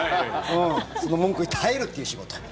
その文句に耐えるっていう仕事。